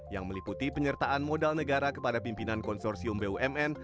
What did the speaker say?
yang meliputi penyertaan modal negara kepada pimpinan konsorsium bumn